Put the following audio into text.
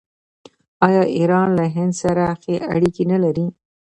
آیا ایران له هند سره ښه اړیکې نلري؟